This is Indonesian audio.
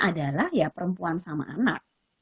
adalah ya perempuan sama anak